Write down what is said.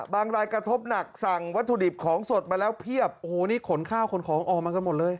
รายกระทบหนักสั่งวัตถุดิบของสดมาแล้วเพียบโอ้โหนี่ขนข้าวขนของออกมากันหมดเลย